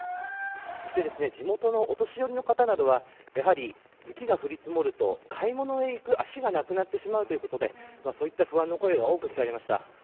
そして地元のお年寄りの方などはやはり雪が降り積もると買い物へ行く足がなくなってしまうということでそういった不安の声が多く聞かれました。